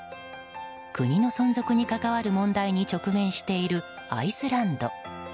国の存続に関わる問題に直面しているアイスランド。